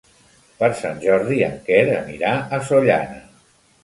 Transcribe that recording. Per Sant Jordi en Quer anirà a Sollana.